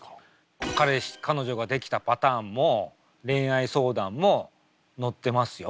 彼氏彼女ができたパターンも恋愛相談も乗ってますよ。